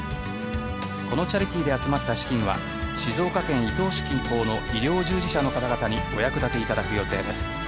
このチャリティで集まった資金は静岡県伊東市近郊の医療従事者の方々にお役立ていただく予定です。